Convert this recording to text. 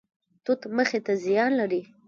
توت مخي څه زیان لري؟